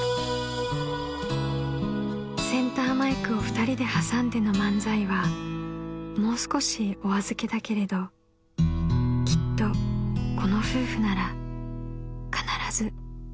［センターマイクを２人で挟んでの漫才はもう少しお預けだけれどきっとこの夫婦なら必ず］